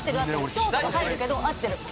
京都が入るけど合ってる。